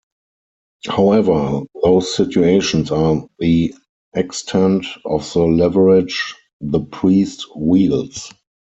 However, those situations are the extent of the leverage the priest wields.